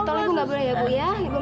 iya tolong ibu gak boleh ya ibu ya